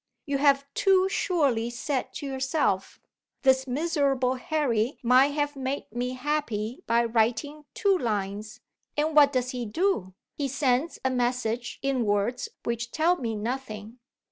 You have too surely said to yourself, This miserable Harry might have made me happy by writing two lines and what does he do? He sends a message in words which tell me nothing.